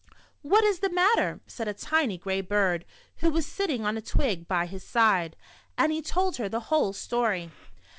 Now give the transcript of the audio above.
''What is the matter ?" said a tiny gray bird, who was sitting on a twig by his side, and he told her the whole story.